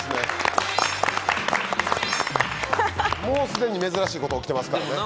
すでに珍しいこと起きてますから。